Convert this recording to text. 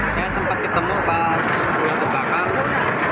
saya sempat ketemu pas rumah terbakar